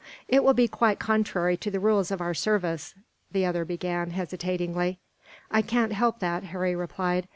"It will be quite contrary to the rules of our service," the other began, hesitatingly. "I can't help that," Harry replied.